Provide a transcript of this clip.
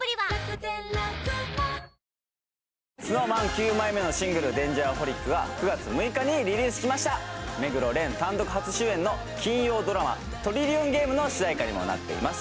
９枚目のシングル「Ｄａｎｇｅｒｈｏｌｉｃ」が９月６日にリリースしました目黒蓮単独初主演の金曜ドラマ「トリリオンゲーム」の主題歌にもなっています